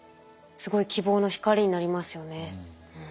すごい希望の光になりますよね。